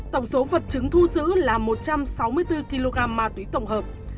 tổng số vật chứng thu giữ là một trăm sáu mươi bốn kg ma túy tổng hợp